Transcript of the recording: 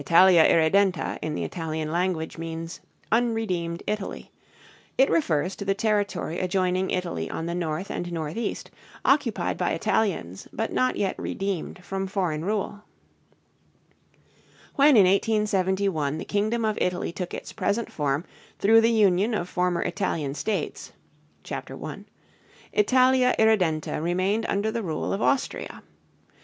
Italia Irreden´ta in the Italian language means "unredeemed Italy." It refers to the territory adjoining Italy on the north and northeast, occupied by Italians but not yet redeemed from foreign rule. [Illustration: Map of Italia Irredenta] When in 1871 the kingdom of Italy took its present form through the union of former Italian states (Chapter I), Italia Irredenta remained under the rule of Austria.